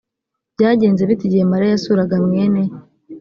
byagenze bite igihe mariya yasuraga mwene